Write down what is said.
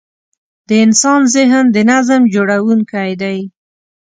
د انسان ذهن د نظم جوړوونکی دی.